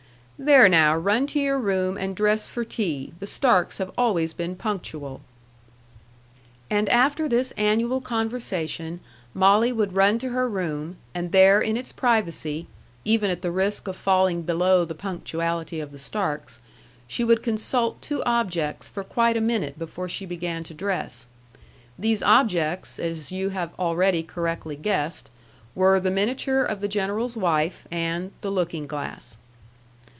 "There now, run to your room, and dress for tea. The Starks have always been punctual." And after this annual conversation, Molly would run to her room, and there in its privacy, even at the risk of falling below the punctuality of the Starks, she would consult two objects for quite a minute before she began to dress. These objects, as you have already correctly guessed, were the miniature of the General's wife and the looking glass.